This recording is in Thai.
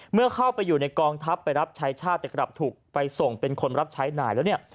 เมื่อเข้าไปอยู่ในกองทัพไปรับใช้ชาติแต่กลับถูกไปส่งเป็นคนรับใช้หน่ายแล้วเนี่ย